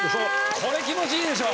これ気持ちいいでしょう？